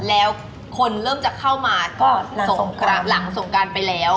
แล้วคนเริ่มจะเข้ามาก็หลังสงการไปแล้ว